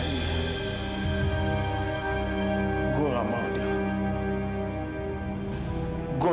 gue gak mau dil